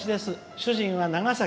主人は長崎。